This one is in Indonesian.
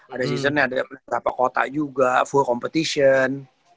ada seasonnya ada beberapa kota juga full competition